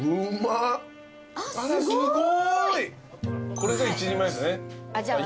これが１人前っすね。